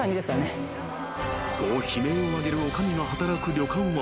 ［そう悲鳴を上げる女将が働く旅館は］